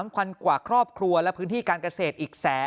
พันกว่าครอบครัวและพื้นที่การเกษตรอีกแสน